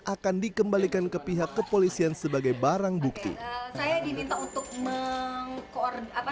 akan dikembalikan ke pihak kepolisian sebagai barang bukti saya diminta untuk mengkoordinat